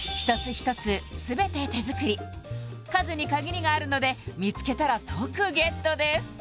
一つ全て手作り数に限りがあるので見つけたら即ゲットです